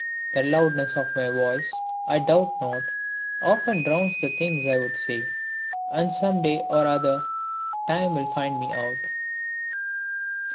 The loudness of my voice, I doubt not, often drowns the thing I would say; and some day or other Time will find me out.